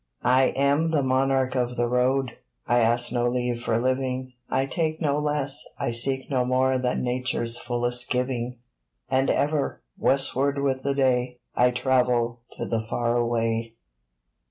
I am the monarch of the Road! I ask no leave for living; I take no less, I seek no more Than nature's fullest giving And ever, westward with the day, I travel to the far away!